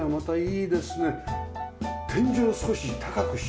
天井を少し高くして。